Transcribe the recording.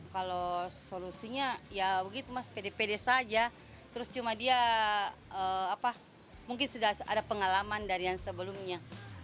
kalau solusinya ya begitu mas pede pede saja terus cuma dia mungkin sudah ada pengalaman dari yang sebelumnya